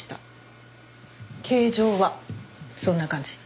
形状はそんな感じ。